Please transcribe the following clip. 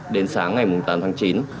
đến sáng ngày tám tháng chín